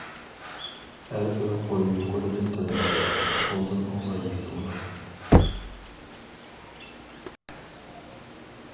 ھەربىر قۇر يۇقىرىدىن تۆۋەنگە، سولدىن ئوڭغا يېزىلغان.